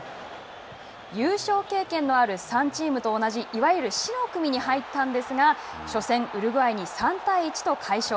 優勝経験のある３チームと同じいわゆる死の組に入ったんですが初戦、ウルグアイに３対１と快勝。